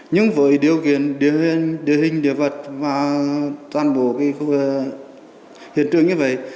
nhưng với điều kiện địa hình địa vật và toàn bộ cái hiện trường như vậy